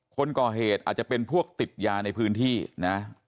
คนก่อเหตุอาจจะเป็นพวกติดยาในพื้นที่นะ